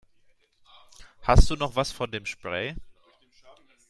Hast du noch was von dem Spray?